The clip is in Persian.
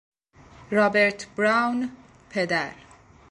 رابرت براون، پدر